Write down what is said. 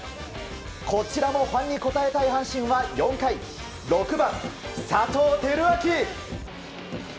こちらもファンに応えたい阪神は４回６番、佐藤輝明。